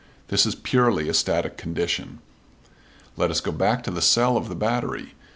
This is purely a static condition. Let us go back to the cell of battery.